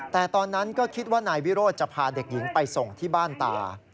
แต่ตอนนั้นก็คิดว่านายวิโรธจะพาเด็กหญิงไปส่งที่บ้านตา